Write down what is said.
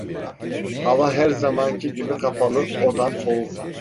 Hava her zamanki gibi kapalı; odam soğuk…